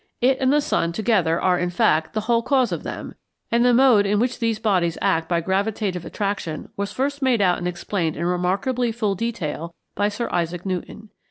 It and the sun together are, in fact, the whole cause of them; and the mode in which these bodies act by gravitative attraction was first made out and explained in remarkably full detail by Sir Isaac Newton.